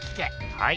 はい。